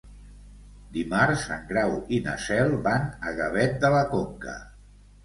Dimarts en Grau i na Cel van a Gavet de la Conca.